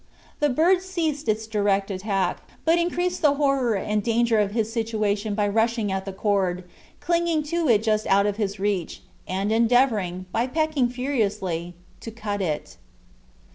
The bird ceased its direct attack, but increased the horror and danger of his situation by rushing at the cord, clinging to it just out of his reach, and endeavoring, by pecking furiously, to cut it.